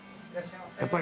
やっぱり。